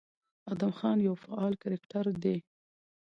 ادم خان يو فعال کرکټر دى،